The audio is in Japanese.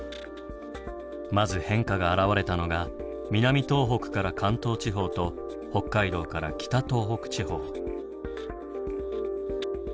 まず変化があらわれたのが南東北から関東地方と北海道から北東北地方。